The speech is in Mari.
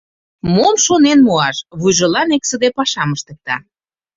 Мом шонен муаш?» — вуйжылан эксыде пашам ыштыкта.